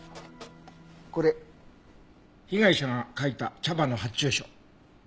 これ被害者が書いた茶葉の発注書。